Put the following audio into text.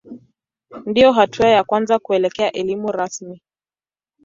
Ndiyo hatua ya kwanza kuelekea elimu rasmi.